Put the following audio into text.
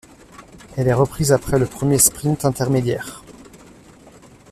Elle est reprise après le premier sprint intermédiaire.